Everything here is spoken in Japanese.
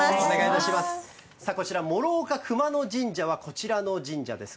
こちら、師岡熊野神社は、こちらの神社です。